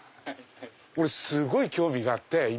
俺すごい興味があって今。